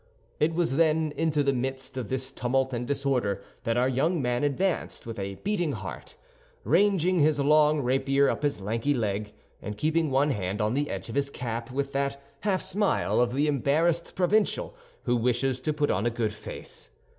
It was, then, into the midst of this tumult and disorder that our young man advanced with a beating heart, ranging his long rapier up his lanky leg, and keeping one hand on the edge of his cap, with that half smile of the embarrassed provincial who wishes to put on a good face.